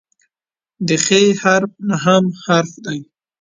د "خ" حرف نهم حرف دی.